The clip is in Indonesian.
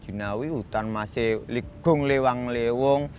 di binawi hutan masih ligung lewang lewung